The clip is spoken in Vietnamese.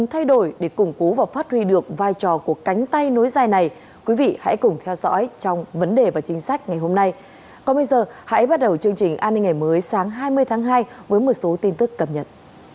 hãy bắt đầu chương trình an ninh ngày mới sáng hai mươi tháng hai với một số tin tức cập nhật